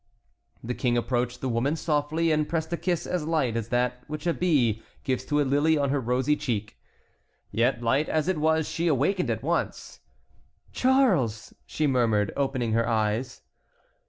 The King approached the woman softly and pressed a kiss as light as that which a bee gives to a lily on her rosy cheek. Yet, light as it was, she awakened at once. "Charles!" she murmured, opening her eyes.